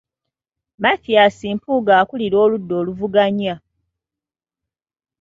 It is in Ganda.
Mathias Mpuuga akulira oludda oluvuganya.